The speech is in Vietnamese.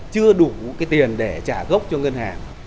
chưa đủ cái tiền để trả gốc cho ngân hàng